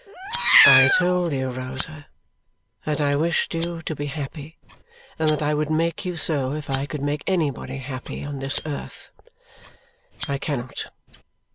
"I told you, Rosa, that I wished you to be happy and that I would make you so if I could make anybody happy on this earth. I cannot.